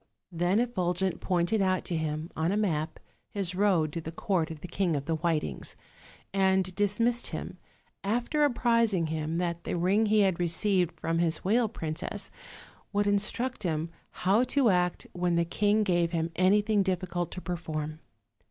Then Effulgent pointed out to him, on a map, his road to the court of the King of the Whitings; and dismissed him, after apprising him that the ring he had received from his whale princess would instruct him how to act when the king gave him anything difficult to perform.